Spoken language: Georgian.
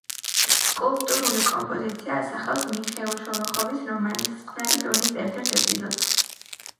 სკულპტურული კომპოზიცია ასახავს მიხეილ შოლოხოვის რომანის წყნარი დონის ერთ-ერთ ეპიზოდს.